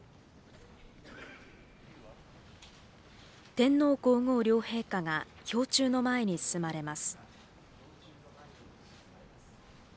天皇皇后両陛下が標柱の前に進まれます。